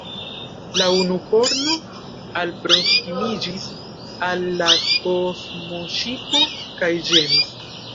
La unukorno alproskimiĝis al la kosmoŝipo kaj ĝemis.